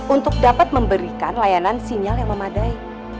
untuk dapat memberikan layanan sinyal yang memadai